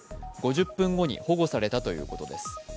５０分後に保護されたということです。